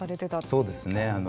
そうですね。